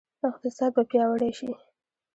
اقتصاد به پیاوړی شي؟